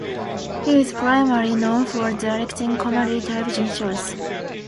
He is primarily known for directing comedy television shows.